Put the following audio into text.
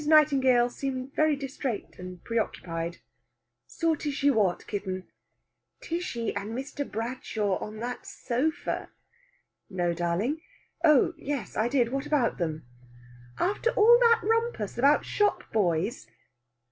Nightingale seemed very distraite and preoccupied. "Saw Tishy what, kitten?" "Tishy and Mr. Bradshaw on that sofa." "No, darling. Oh yes, I did. What about them?" "After all that rumpus about shop boys!"